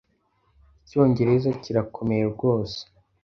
Icyongereza kirakomeye rwose